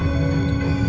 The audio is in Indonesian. ya kita berhasil